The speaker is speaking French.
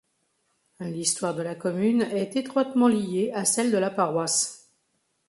L'histoire de la commune est étroitement liée à celle de la paroisse.